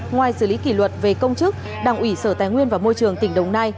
ngoài xử lý kỷ luật về công chức đảng ủy sở tài nguyên và môi trường tỉnh đồng nai